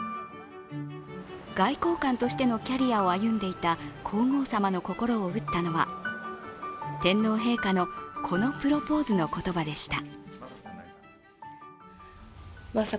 外交官としてのキャリアを歩んでいた皇后さまの心を打ったのは天皇陛下のこのプロポーズの言葉でした。